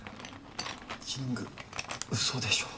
キング嘘でしょ